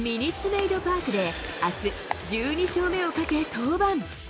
メイド・パークであす、１２勝目をかけ、登板。